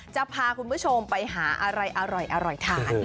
จะพาคุณผู้ชมไปหาอะไรอร่อยทาน